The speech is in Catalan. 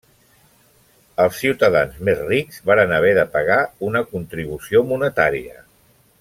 Els ciutadans més rics varen haver de pagar una contribució monetària.